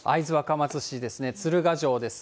会津若松市鶴ヶ城です。